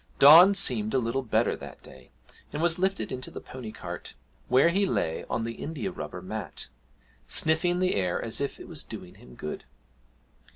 Don seemed a little better that day, and was lifted into the pony cart, where he lay on the indiarubber mat, sniffing the air as if it was doing him good.